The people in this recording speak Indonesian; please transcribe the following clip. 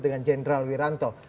dengan jenderal wiranto